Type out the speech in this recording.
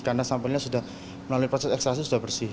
karena sampelnya sudah melalui proses ekstraksi sudah bersih